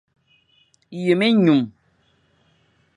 Yem-enyum.